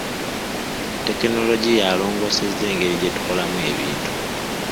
Tekinologiya alongoosezza engeri gye tukolamu ebintu.